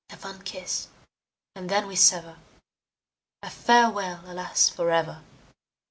A fond kiss, and then we sever; A farewell, alas, forever!